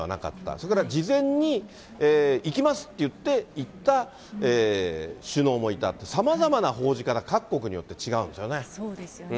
それから事前に、行きますっていっていった首脳もいたって、さまざまな報じ方、各そうですよね。